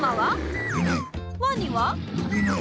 ワニは？